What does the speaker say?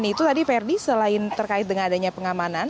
di situ tadi verdi selain terkait dengan adanya pengamanan